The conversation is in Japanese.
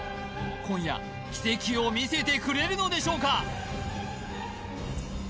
今夜奇跡を見せてくれるのでしょうか？